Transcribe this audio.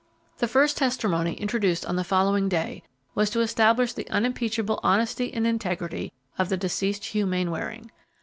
The first testimony introduced on the following day was to establish the unimpeachable honesty and integrity of the deceased Hugh Mainwaring.